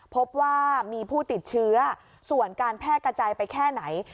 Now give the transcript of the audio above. พบว่ามีผู้ติดเชื้อส่วนการแพร่กระจายไปแค่ไหน